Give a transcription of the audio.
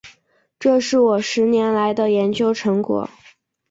这是我十年来的研究成果